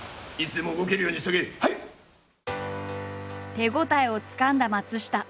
手応えをつかんだ松下。